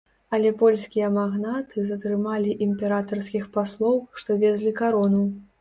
Але польскія магнаты затрымалі імператарскіх паслоў, што везлі карону.